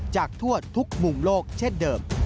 จากทั่วทุกมุมโลกเช่นเดิม